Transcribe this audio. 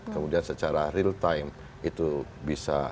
kemudian secara real time itu bisa